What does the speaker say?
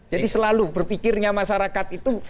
jadi selalu berpikirnya masyarakat itu